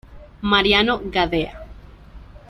Mariano Gadea"".